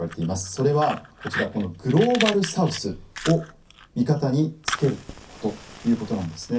それは、こちらこのグローバルサウスを味方につけることということなんですね。